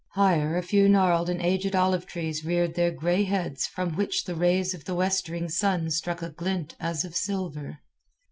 Higher, a few gnarled and aged olive trees reared their grey heads from which the rays of the westering sun struck a glint as of silver.